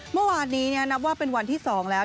เมื่อวานนี้นับว่าเป็นวันที่๒แล้ว